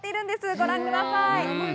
ご覧ください。